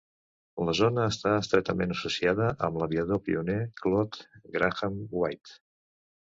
La zona està estretament associada amb l'aviador pioner Claude Grahame-White.